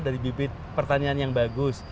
dari bibit pertanyaan yang bagus